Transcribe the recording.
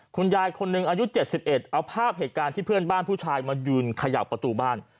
คุณยายคนหนึ่งอายุ๗๑เอาภาพเหตุการณ์ที่เพื่อนบ้านผู้ชายมายืนเขย่าประตูบ้าน